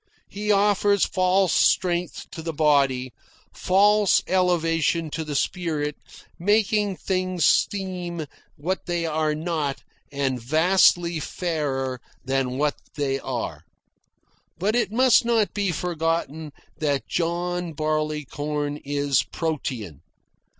He offers false strength to the body, false elevation to the spirit, making things seem what they are not and vastly fairer than what they are. But it must not be forgotten that John Barleycorn is protean.